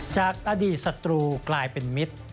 จากอดีตศัตรูกลายเป็นมิตร